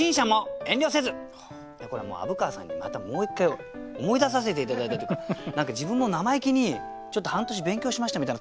これはもう虻川さんにまたもう一回思い出させて頂いたというか何か自分も生意気に「ちょっと半年勉強しました」みたいな